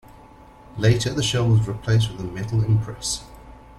Later the shell was replaced with a metal impress.